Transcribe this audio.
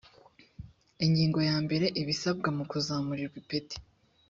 ingingo ya mbere ibisabwa mu kuzamurirwa ipeti